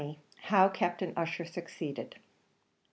HOW CAPTAIN USSHER SUCCEEDED.